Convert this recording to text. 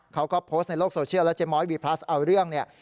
เขาก็โพสต์ในโลกโซเชียลแล้วเจ๊ม้อยวีพลัสเอาเรื่องเนี่ย